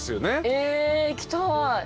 え行きたい。